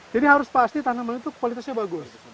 jadi harus pasti tanaman itu kualitasnya bagus